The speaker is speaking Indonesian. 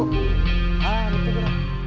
ah gitu dulu